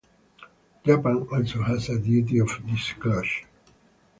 Japan also has a duty of disclosure.